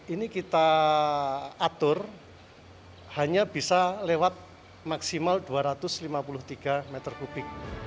ini kita atur hanya bisa lewat maksimal dua ratus lima puluh tiga meter kubik